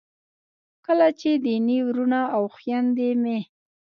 کله چې دیني وروڼه او خویندې مې